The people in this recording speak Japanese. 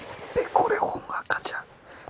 これ本垢じゃん。